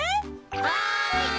はい！